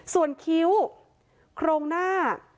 ส่วนคิ้วโครงหน้า